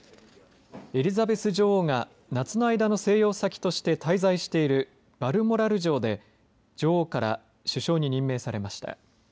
エリザベス女王が夏の間の静養先として滞在しているバルモラル城で女王から首相に任命されました。